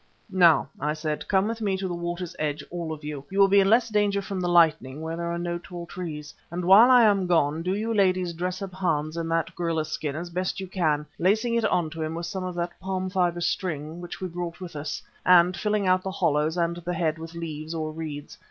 "Now," I said, "come with me to the water's edge, all of you. You will be in less danger from the lightning there, where are no tall trees. And while I am gone, do you ladies dress up Hans in that gorilla skin as best you can, lacing it on to him with some of that palm fibre string which we brought with us, and filling out the hollows and the head with leaves or reeds.